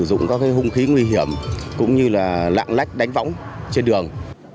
trên đường phố sử dụng các hùng khí nguy hiểm cũng như là lạng lách đánh võng trên đường